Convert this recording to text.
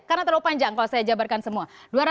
karena terlalu panjang kalau saya jabarkan semua